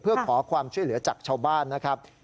เพื่อขอความช่วยเหลือจากชาวบ้านนะครับ